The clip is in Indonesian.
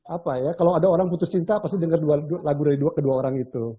apa ya kalau ada orang putus cinta pasti dengar lagu dari dua orang itu